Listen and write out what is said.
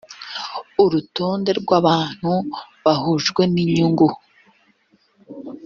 urutonde rw abantu bahujwe n inyungu